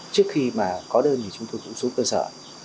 trước khi mà có đơn thì chúng tôi cũng xuống cơ sở